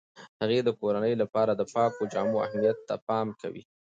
هغې د کورنۍ لپاره د پاکو جامو اهمیت ته پام کوي.